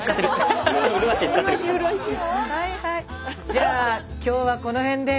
じゃあ今日はこのへんで。